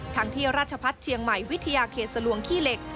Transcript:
ที่ราชพัฒน์เชียงใหม่วิทยาเขตสลวงขี้เหล็ก